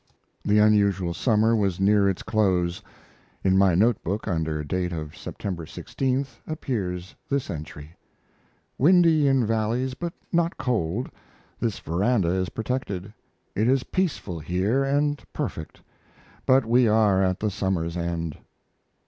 The unusual summer was near its close. In my notebook, under date of September 16th, appears this entry: Windy in valleys but not cold. This veranda is protected. It is peaceful here and perfect, but we are at the summer's end.